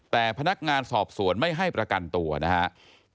แต่พนักงานสอบสวนไม่ให้ประกันตัวนะครับ